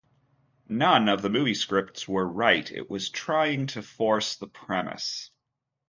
None of the movie scripts were right; it was trying to force the premise.